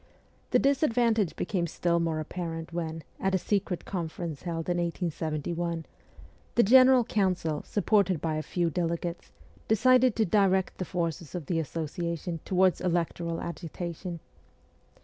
The disadvan tage became still more apparent when, at a secret conference held in 1871, the general council, supported by a few delegates, decided to direct the forces of the Association towards electoral agitation.